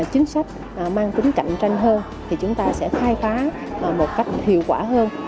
nếu mà chúng ta có những chính sách mang tính cạnh tranh hơn thì chúng ta sẽ khai phá một cách hiệu quả hơn